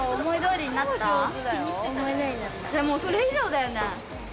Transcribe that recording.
もうそれ以上だよね